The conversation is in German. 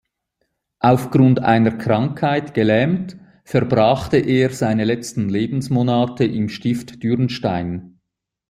Aufgrund einer Krankheit gelähmt, verbrachte er seine letzten Lebensmonate im Stift Dürnstein.